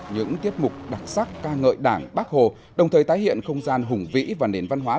những tiết mục đặc sắc ca ngợi đảng bác hồ đồng thời tái hiện không gian hùng vĩ và nền văn hóa